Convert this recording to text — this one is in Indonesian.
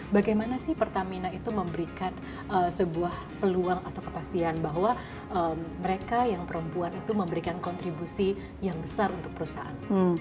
bagaimana sih pertamina itu memberikan sebuah peluang atau kepastian bahwa mereka yang perempuan itu memberikan kontribusi yang besar untuk perusahaan